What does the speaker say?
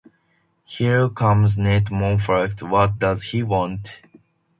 Here comes Ned Moffat; what does he want?